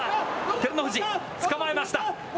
照ノ富士、つかまえました。